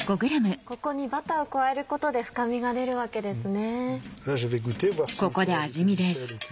ここにバターを加えることで深みが出るわけですね。